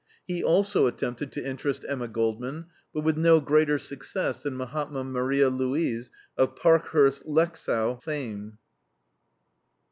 He also attempted to interest Emma Goldman, but with no greater success than Mahatma Maria Louise of Parkhurst Lexow fame.